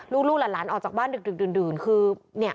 ลูกหลานออกจากบ้านดื่นคือ